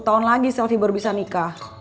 dua tahun lagi selfie baru bisa nikah